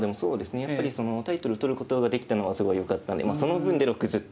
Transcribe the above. やっぱりタイトル取ることができたのはすごいよかったんでその分で６０点。